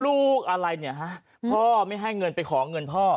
ลูกอะไรเนี่ยฮะพ่อไม่ให้เงินไปขอเงินพ่อ